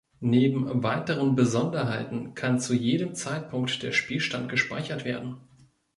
Neben weiteren Besonderheiten kann zu jedem Zeitpunkt der Spielstand gespeichert werden.